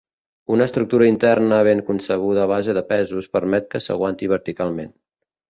Una estructura interna ben concebuda a base de pesos permet que s'aguanti verticalment.